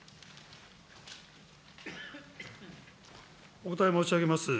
お答え申し上げます。